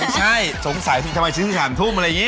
ไม่ใช่สงสัยทำไมชื่อสามทุ่มอะไรอย่างนี้